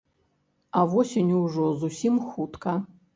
А восень ужо зусім хутка.